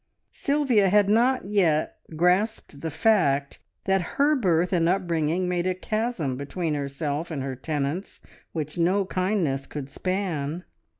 Sylvia had not yet grasped the fact that her birth and upbringing made a chasm between herself and her tenants which no kindness could span.